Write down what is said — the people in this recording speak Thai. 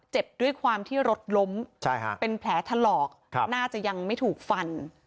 ด้วยความที่รถล้มเป็นแผลถลอกน่าจะยังไม่ถูกฟัน